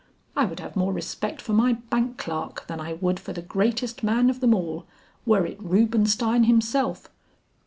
I would have more respect for my bank clerk than I would for the greatest man of them all, were it Rubenstein himself."